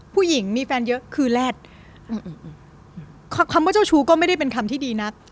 ผู้หญิงมีแฟนเยอะคือแรดคำว่าเจ้าชู้ก็ไม่ได้เป็นคำที่ดีนัก